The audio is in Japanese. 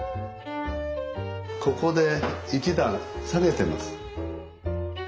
ここで一段下げてます。